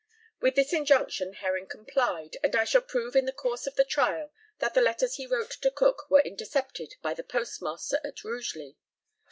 With this injunction Herring complied, and I shall prove in the course of the trial that the letters he wrote to Cook were intercepted by the postmaster at Rugeley.